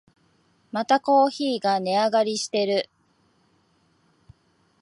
またコーヒーが値上がりしてる